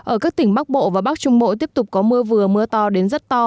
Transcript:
ở các tỉnh bắc bộ và bắc trung bộ tiếp tục có mưa vừa mưa to đến rất to